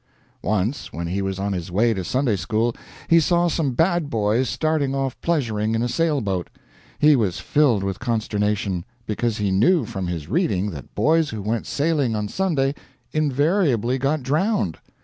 Once, when he was on his way to Sunday school, he saw some bad boys starting off pleasuring in a sailboat. He was filled with consternation, because he knew from his reading that boys who went sailing on Sunday invariably got drowned.